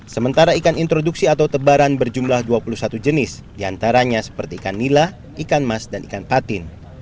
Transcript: sementara ikan introduksi atau tebaran berjumlah dua puluh satu jenis diantaranya seperti ikan nila ikan mas dan ikan patin